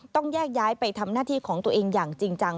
ต้องแยกย้ายไปทำหน้าที่ของตัวเองอย่างจริงจัง